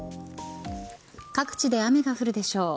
各地で雨が降るでしょう。